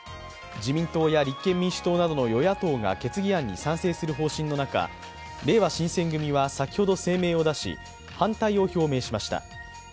自民党や立憲民主党等の与野党が決議案に賛成する方針の中、れいわ新選組は先ほど声明を出し反対を表明しました。